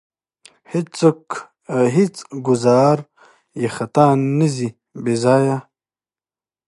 هېڅ ګوزار یې خطا نه ځي بې ځایه.